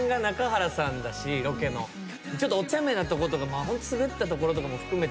おちゃめなとことか滑ったところとかも含めて。